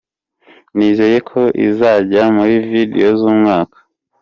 Nizeye ko izajya muri Videos z’umwaka.